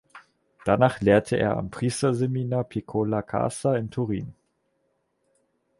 Danach lehrte er am Priesterseminar "Piccola Casa" in Turin.